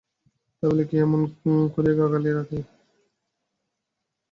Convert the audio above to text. তাই বলিয়া কি এমন করিয়া গা খালি রাখে?